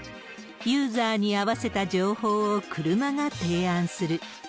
ユーザーに合わせた情報を車が提案する。